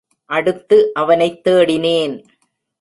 அடுத்து அவனைத் தேடினேன்.